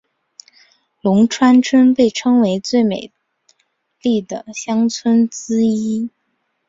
龙川村被称为最美丽的乡村之一。